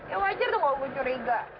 ya wajar tuh gak mau dicuriga